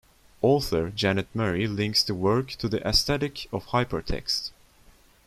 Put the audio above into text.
Author Janet Murray links the work to the aesthetic of hypertext.